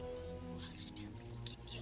gue harus bisa merugik dia